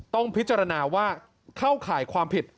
ต้องพิจารณาว่าเข้าข่ายความผิด